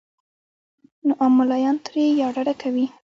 نو عام ملايان ترې يا ډډه کوي